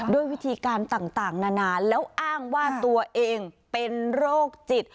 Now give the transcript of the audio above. ด้วยวิธีการต่างนานาแล้วอ้างว่าตัวเองเป็นโรคจิต